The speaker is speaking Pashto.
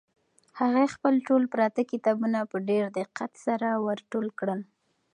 هغې خپل ټول پراته کتابونه په ډېر دقت سره ور ټول کړل.